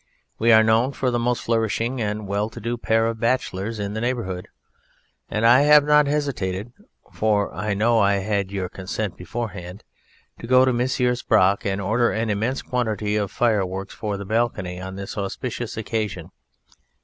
We are known for the most flourishing and well to do pair of bachelors in the neighbourhood, and I have not hesitated (for I know I had your consent beforehand) to go to Messrs. Brock and order an immense quantity of fireworks for the balcony on this auspicious occasion.